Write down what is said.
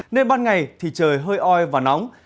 nên ban ngày thì trời hơi oi và nóng